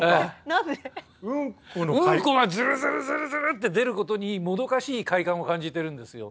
なぜ⁉うんこがずるずるずるずるって出ることにもどかしい快感を感じてるんですよ。